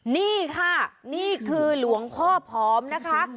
นี่ค่ะนี่คือหลวงพ่อผอมนะคะ